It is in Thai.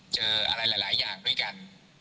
เจออะไรหลายอย่างด้วยกัน